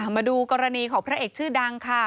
มาดูกรณีของพระเอกชื่อดังค่ะ